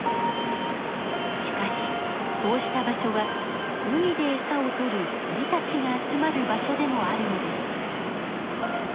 しかしそうした場所は海でえさをとる鳥たちが集まる場所でもあるのです。